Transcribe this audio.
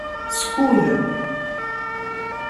Skud.